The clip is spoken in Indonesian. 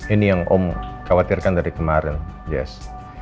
ini yang om khawatirkan dari kemarin yes